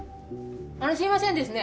あのすいませんですね